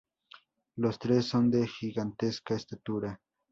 Los tres son de gigantesca estatura.